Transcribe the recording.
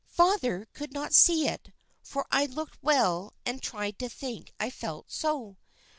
"Father could not see it, for I looked well and tried to think I felt so.